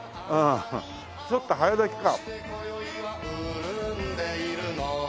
ちょっと早咲きか。